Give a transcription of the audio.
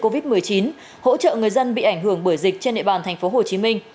covid một mươi chín hỗ trợ người dân bị ảnh hưởng bởi dịch trên địa bàn tp hcm